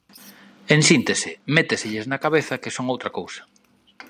En síntese, metéselles na cabeza que son outra cousa.